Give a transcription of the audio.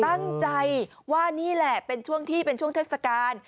ตั้งใจว่านี่แหละเป็นช่วงที่เป็นช่วงเทศกาล